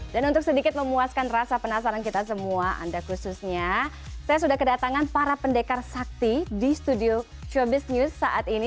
dan untuk sedikit memuaskan rasa penasaran kita semua anda khususnya saya sudah kedatangan para pendekar sakti di studio showbiz news saat ini